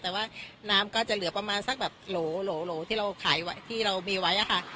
แต่ว่าน้ำก็จะเหลือประมาณสักแบบโหลที่เราขายไว้ที่เรามีไว้อะค่ะ